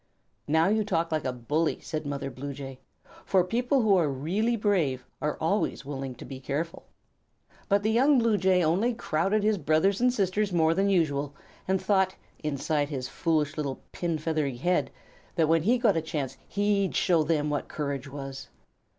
"Now you talk like a bully," said Mother Blue Jay, "for people who are really brave are always willing to be careful." But the young Blue Jay only crowded his brothers and sisters more than usual, and thought, inside his foolish little pin feathery head, that when he got a chance, he'd show them what courage was.